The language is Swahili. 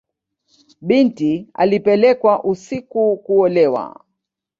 Binti alipelekwa usiku kuolewa.